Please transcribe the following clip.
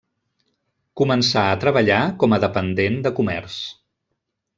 Començà a treballar com a dependent de comerç.